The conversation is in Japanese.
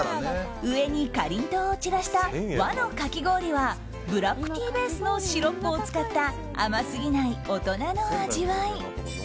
上にかりんとうを散らした和のかき氷はブラックティーベースのシロップを使った甘すぎない大人の味わい。